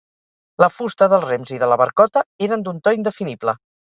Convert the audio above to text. la fusta dels rems i de la barcota eren d'un to indefinible